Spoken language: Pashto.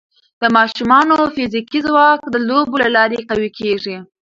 د ماشومانو فزیکي ځواک د لوبو له لارې قوي کېږي.